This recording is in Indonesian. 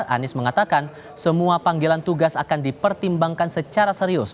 anies mengatakan semua panggilan tugas akan dipertimbangkan secara serius